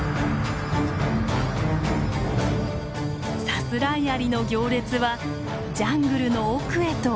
サスライアリの行列はジャングルの奥へと消えていきました。